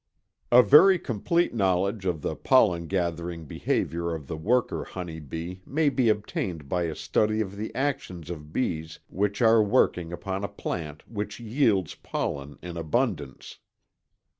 A very complete knowledge of the pollen gathering behavior of the worker honey bee may be obtained by a study of the actions of bees which are working upon a plant which yields pollen in abundance.